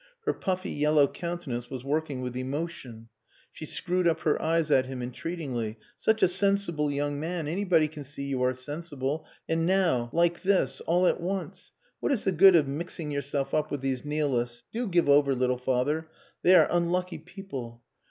Her puffy yellow countenance was working with emotion. She screwed up her eyes at him entreatingly. "Such a sensible young man! Anybody can see you are sensible. And now like this all at once.... What is the good of mixing yourself up with these Nihilists? Do give over, little father. They are unlucky people."